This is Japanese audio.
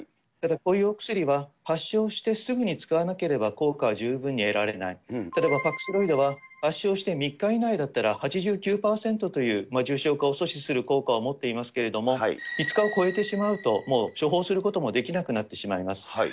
ただ、こういうお薬は発症してすぐに使わなければ効果は十分に得られない、ただ、パクスロビドは発症して３日以内だったら８９％という重症化を阻止する効果を持っていますけれども、５日を超えてしまうと、もう処方することもできなくなってしまいます。